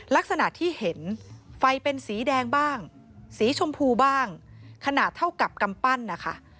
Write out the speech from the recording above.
ลักษณะที่เห็นไฟเป็นสีแดงบ้างสีชมพูบ้างขนาดเท่ากับกำปั้นนะคะ